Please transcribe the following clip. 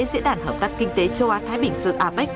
diễn đàn hợp tác kinh tế châu á thái bình xưa apec